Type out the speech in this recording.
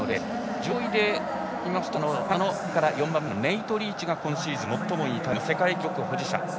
上位で見ますとカナダのネイト・リーチが今シーズン最もいいタイムで世界記録保持者。